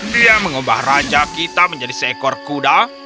dia mengubah raja kita menjadi seekor kuda